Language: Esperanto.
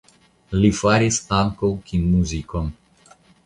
Li faris ankaŭ kinmuzikon.